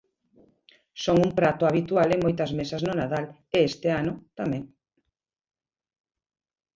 Son un prato habitual en moitas mesas no Nadal e este ano tamén.